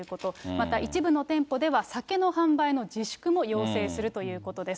また一部の店舗では、酒の販売の自粛も要請するということです。